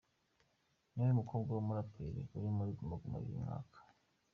Niwe mukobwa w’ Umuraperi uri muri Guma Guma y’ uyu mwaka